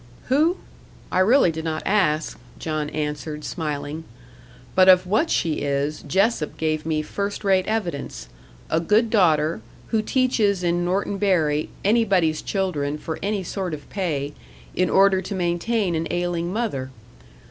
"Who? I really did not ask," John answered, smiling. "But of what she is, Jessop gave me first rate evidence a good daughter, who teaches in Norton Bury anybody's children for any sort of pay, in order to maintain an ailing mother.